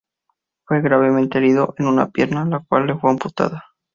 Fue gravemente herido en una pierna, la cual le fue amputada.